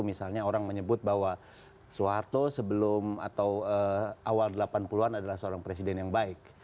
misalnya orang menyebut bahwa soeharto sebelum atau awal delapan puluh an adalah seorang presiden yang baik